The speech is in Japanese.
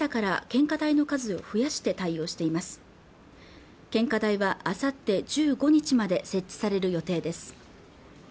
献花台はあさって１５日まで設置される予定です